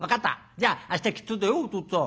じゃあ明日きっとだよおとっつぁん。